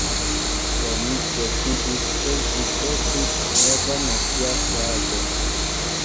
Oni decidis, ke ĝi estu nova nacia flago.